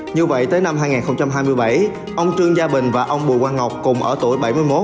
như vậy tới năm hai nghìn hai mươi bảy ông trương gia bình và ông bùi quang ngọc cùng ở tuổi bảy mươi một